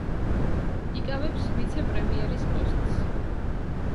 იკავებს ვიცე-პრემიერის პოსტს.